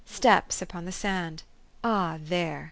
Steps upon the sand. Ah, there